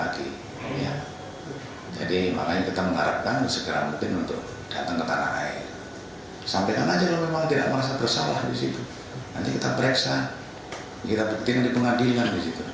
kita beriksa kita buktikan di pengadilan